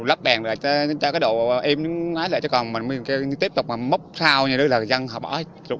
lắp đèn là cho cái độ êm ái lại cho còn mình tiếp tục mốc sao như thế là dân họ bỏ